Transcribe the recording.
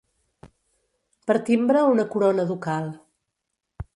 Per timbre una corona ducal.